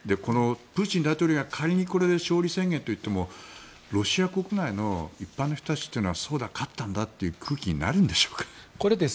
プーチン大統領が仮に勝利宣言といってもロシア国内の一般の人たちというのは勝ったんだ！という空気になるんでしょうか。